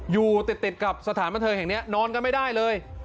อยู่ติดกับสถานบันเทิงแห่งนี้นอนกันไม่ได้เลย